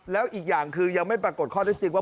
แล้วอีกอย่างคือยังไม่ปรากฏข้อได้จริงว่า